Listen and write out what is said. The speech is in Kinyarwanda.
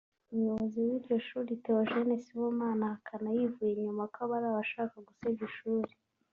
Umuyobozi w’iryo shuri Theogene Sibomana ahakana yivuye inyuma ko abo ari abashaka gusebya ishuri